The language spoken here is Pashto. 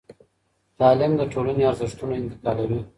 تعليم د ټولني ارزښتونه انتقالوي.